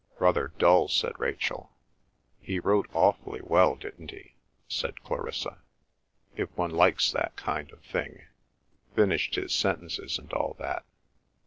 "Rather dull," said Rachel. "He wrote awfully well, didn't he?" said Clarissa; "—if one likes that kind of thing—finished his sentences and all that.